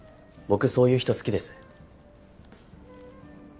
僕そういう人好きです。